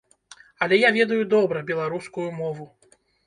Але я ведаю добра беларускую мову.